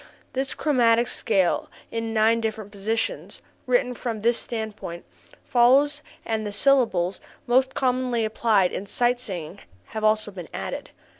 The chromatic scale in nine different positions, written from this standpoint, follows, and the syllables most commonly applied in sight singing have also been added.